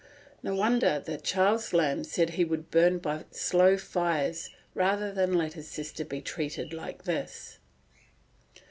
No wonder that Charles Lamb said he would burn by slow fires rather than let his sister be treated like this.